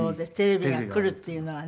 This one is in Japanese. テレビが来るっていうのがね。